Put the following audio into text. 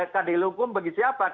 keadilan hukum bagi siapa